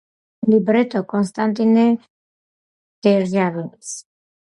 ლიბრეტო კონსტანტინე დერჟავინის.